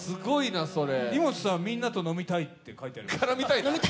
イモトさん、みんなと絡みたいと書いてある。